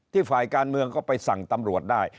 ฝ่ายการเมืองก็ไปสั่งตำรวจได้